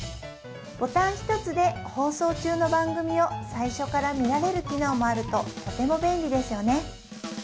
ボタン一つで放送中の番組を最初から見られる機能もあるととても便利ですよね